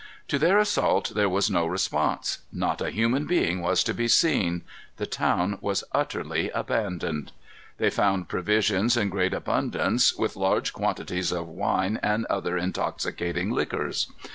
To their assault there was no response. Not a human being was to be seen. The town was utterly abandoned. They found provisions in great abundance, with large quantities of wine and other intoxicating liquors.